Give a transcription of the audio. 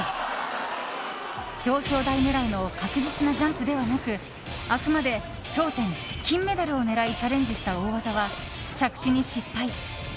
表彰台狙いの確実なジャンプではなくあくまで頂点金メダルを狙いチャレンジした大技は着地に失敗。